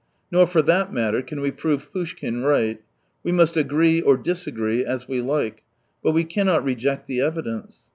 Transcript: Nor, for that matter, can we prove Poushkin right. We must agree or disagree, as we like. But we cannot reject the evidence.